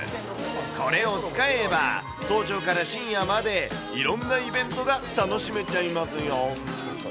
これを使えば早朝から深夜までいろんなイベントが楽しめちゃいますよ。